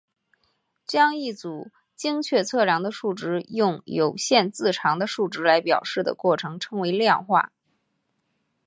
将一组精确测量的数值用有限字长的数值来表示的过程称为量化。